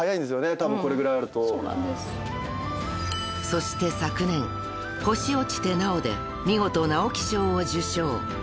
［そして昨年『星落ちて、なお』で見事直木賞を受賞］